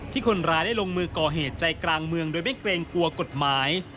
คนร้ายได้ลงมือก่อเหตุใจกลางเมืองโดยไม่เกรงกลัวกฎหมาย